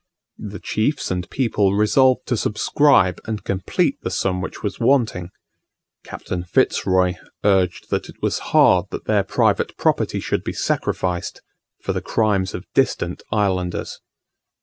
The chiefs and people resolved to subscribe and complete the sum which was wanting; Captain Fitz Roy urged that it was hard that their private property should be sacrificed for the crimes of distant islanders.